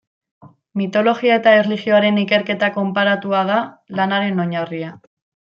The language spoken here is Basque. Mitologia eta erlijioaren ikerketa konparatua da lanaren oinarria.